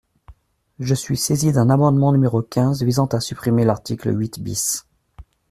Je suis saisie d’un amendement numéro quinze visant à supprimer l’article huit bis.